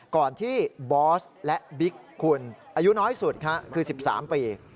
ก่อนที่บอสและบิ๊กคุณอายุน้อยสุดคือ๑๓ปี